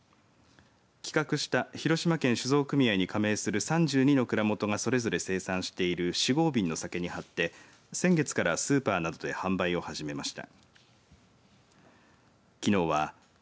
企画した広島県酒造組合に加盟する３２の蔵元がそれぞれ生産している４合瓶の酒に貼って先月からスーパーなどで販売を始めました。